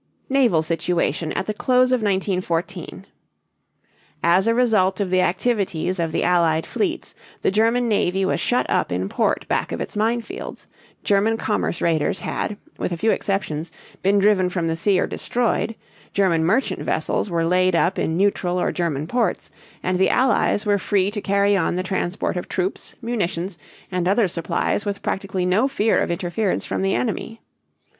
NAVAL SITUATION AT THE CLOSE OF 1914. As a result of the activities of the Allied fleets, the German navy was shut up in port back of its mine fields, German commerce raiders had, with a few exceptions, been driven from the sea or destroyed, German merchant vessels were laid up in neutral or German ports, and the Allies were free to carry on the transport of troops, munitions, and other supplies with practically no fear of interference from the enemy.